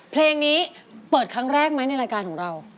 เพลงนี้เปิดครั้งแรกไหมในรายการของเรา